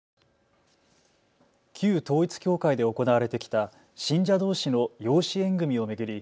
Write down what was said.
旧統一教会で行われてきた信者どうしの養子縁組みを巡り